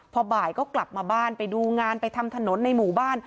พอบ่ายก็กลับมาบ้านไปดูงานไปทำถนนในหมู่บ้าน